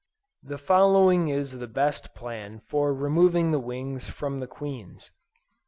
The following is the best plan for removing the wings from the queens.